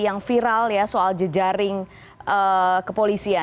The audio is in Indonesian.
yang viral ya soal jejaring kepolisian